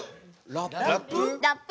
ラップ！？